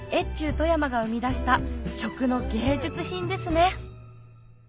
富山が生み出した食の芸術品ですね